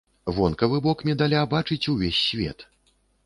Вонкавы бок медаля бачыць увесь свет.